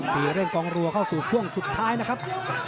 ไปเร่งกองรัวเข้าสู่ช่วงสุดท้ายนะครับ